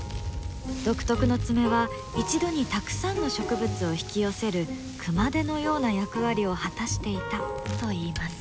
独特の爪は一度にたくさんの植物を引き寄せる熊手のような役割を果たしていたといいます。